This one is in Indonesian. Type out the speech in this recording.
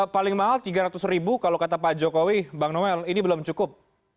paling mahal rp tiga ratus ribu kalau kata pak jokowi bang noel ini belum cukup